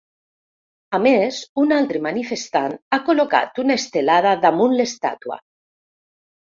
A més, un altre manifestant ha col·locat una estelada damunt l’estàtua.